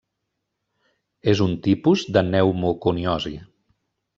És un tipus de pneumoconiosi.